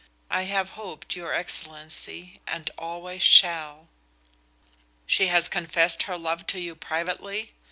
I have hoped, your excellency, and always shall." "She has confessed her love to you privately?"